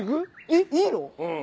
えっいいの⁉うん。